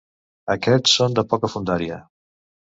Aquests són de poca fondària.